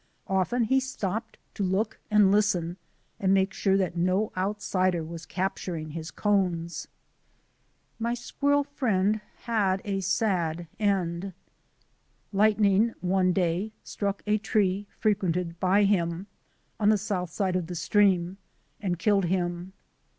Often he stopped to look and listen and make sure that no outsider was capturing his cones. _ My squirrel friend had a sad end. Lightning jg 1 i. 1 p WAITING IN THE WILDERNESS 33 one day struck a tree frequented by him, on the south side of the stream, and killed him.